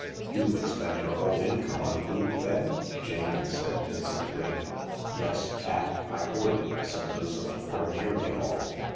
" You would spend your whole income on food then ?" Jane said innocently. "Yes, cat, I would," said Lucilla— "or nearly all.